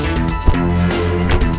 terima kasih chandra